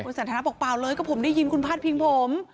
สันทนาบอกเปล่าเลยก็ผมได้ยินคุณพาดพิงผม